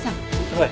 はい。